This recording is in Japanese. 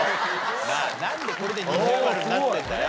なあなんでこれで二重マルになってんだよ。